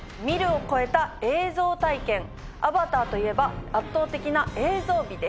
『アバター』といえば圧倒的な映像美です。